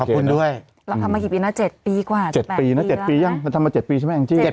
เราทำมากี่ปีนะ๗ปีกว่า๗ปีนะ๗ปียังเราทำมา๗ปีใช่ไหมอังจิต